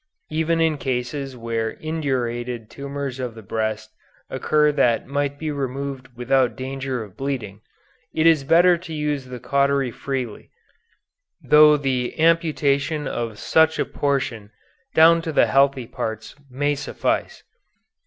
Even in cases where indurated tumors of the breast occur that might be removed without danger of bleeding, it is better to use the cautery freely, though the amputation of such a portion down to the healthy parts may suffice."